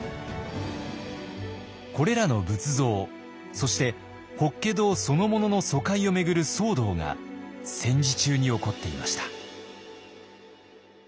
これらの仏像そして法華堂そのものの疎開を巡る騒動が戦時中に起こっていました。